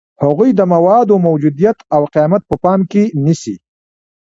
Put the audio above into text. هغوی د موادو موجودیت او قیمت په پام کې نیسي.